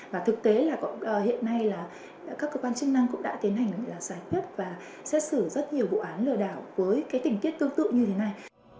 và thực tế là hiện nay là các cơ quan chức năng cũng đã tiến hành là giải quyết và xét xử rất nhiều vụ án lừa đảo với cái tình tiết tương tự như thế này